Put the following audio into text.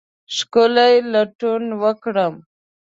ښکلې لټون وکرم